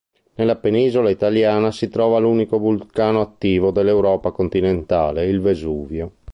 Nella penisola italiana si trova l'unico vulcano attivo dell'Europa continentale, il Vesuvio.